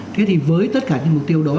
thế thì với tất cả những mục tiêu đó